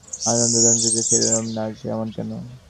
দাদামহাশয় আসিলে যে-ঘরে আনন্দধ্বনি উঠিত– সেই সুরমার ঘর আজ এমন কেন?